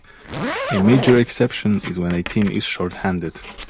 A major exception is when a team is shorthanded.